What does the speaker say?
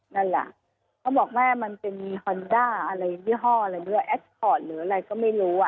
นั่นแหละเขาบอกแม่มันจะมีฮอนดาอะไรวิธีห้ออะไรด้วยหรืออะไรก็ไม่รู้อ่ะ